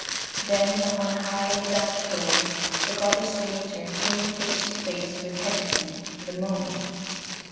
Then, upon a high and a dark hill, the Goddess Demeter came face to face with Hecate, the Moon.